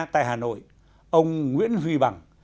tại hà nội ông nguyễn huy bằng